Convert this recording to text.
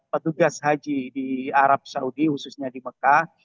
petugas haji di arab saudi khususnya di mekah